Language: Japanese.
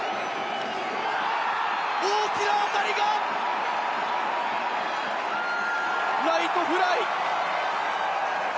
大きな当たりがライトフライ。